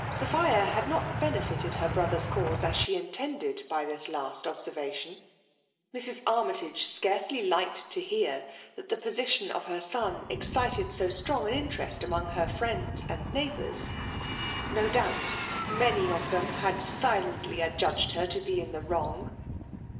Sophia had not benefited her brother's cause as she intended by this last observation. Mrs. Armytage scarcely hked to hear that the position of her son excited so 192 FEMALK DOUINATIOK. strong an interest among her ^friends and neighbours. — Ho doubt many of them had silently adjudged her to be in the wrong